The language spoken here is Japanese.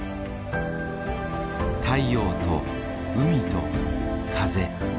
太陽と海と風。